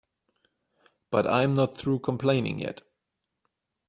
But I'm not through complaining yet.